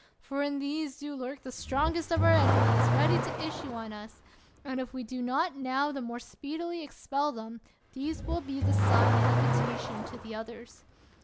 For in these do lurk the strongest of our enemies ready to issue on us; and if we do not now the more speedily expel them, these will be the sign and invitation to the others.